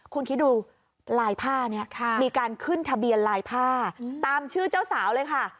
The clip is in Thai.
คุณคิดดูลายผ้านี้มีการขึ้นทะเบียนลายผ้าตามชื่อเจ้าสาวเลยค่ะ